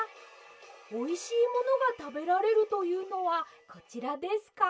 おいしいものがたべられるというのはこちらですか？」。